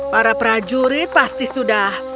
para prajurit pasti sudah